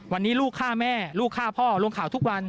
วันนี้ลูกฆ่าแม่ลูกฆ่าพ่อลงข่าวทุกวัน